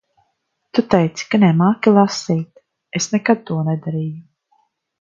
Tu teici ka nemāki lasīt. Es nekad to nedarīju.